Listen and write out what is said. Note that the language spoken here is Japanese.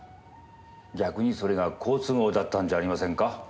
逆にそれが好都合だったんじゃありませんか？